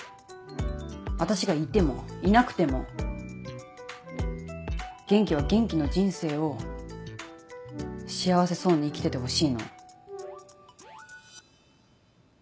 私がいてもいなくても元気は元気の人生を幸せそうに生きててほしいの。